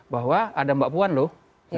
bahwa ada mbak puan loh